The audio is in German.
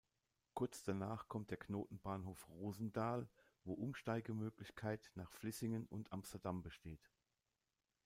Kurz danach kommt der Knotenbahnhof Roosendaal, wo Umsteigemöglichkeit nach Vlissingen und Amsterdam besteht.